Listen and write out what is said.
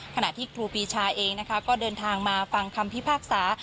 ขณะที่ครูปีชาเองนะคะก็เดินทางมาฟังคำพิพากษา